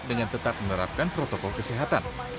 dengan tetap menerapkan protokol kesehatan